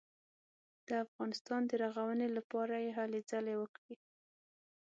د افغانستان د رغونې لپاره یې هلې ځلې وکړې.